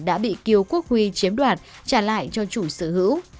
đã bị kiều quốc huy chiếm đoạt trả lại cho chủ sở hữu